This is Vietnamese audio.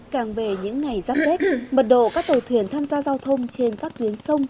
càng về những ngày giáp kết bật độ các tàu thuyền tham gia giao thông trên các tuyến sông